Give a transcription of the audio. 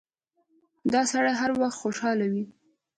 دا سړی هر وخت خوشاله وي.